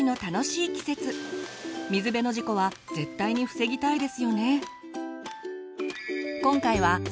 水辺の事故は絶対に防ぎたいですよね。